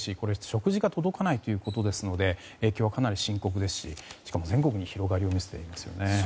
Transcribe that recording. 食事が届かないということですので影響はかなり深刻ですししかも全国に広がりを見せているんですよね。